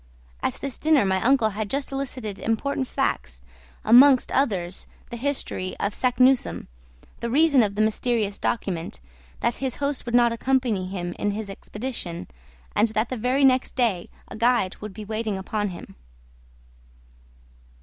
At this dinner my uncle had just elicited important facts, amongst others, the history of Saknussemm, the reason of the mysterious document, that his host would not accompany him in his expedition, and that the very next day a guide would be waiting upon him.